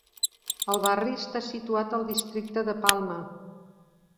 El barri està situat al districte de Palma.